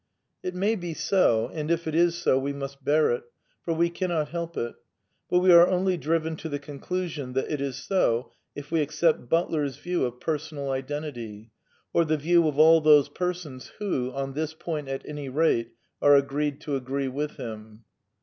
It may be so, and if it is so we must bear it; for we cannot help it. But we are only driven to the conclusion that it is so if we accept Butler's view of personal identity, or the view of all those persons who, on this point at any rate, are agreed to agree with him.